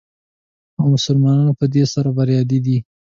او مسلمانان په دې سره بریالي دي.